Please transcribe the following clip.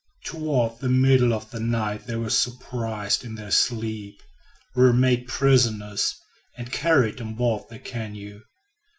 Toward the middle of the night they were surprised in their sleep, were made prisoners, and carried on board the canoe.